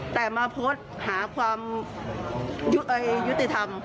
แต่มาโพสต์หาความยุติธรรม